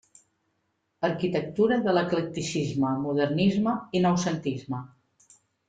Arquitectura de l'eclecticisme, modernisme i noucentisme.